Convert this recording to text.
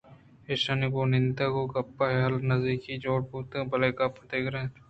ایشانی گوں نندگ ءُگپ ءُگال ءَ یک نزّیکی ئے جوڑ بوت بلئے گپ دگرے اَت